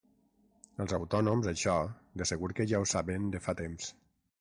Els autònoms, això, de segur que ja ho saben de fa temps.